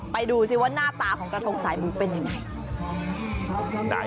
ดูสิว่าหน้าตาของกระทงสายหมูเป็นยังไง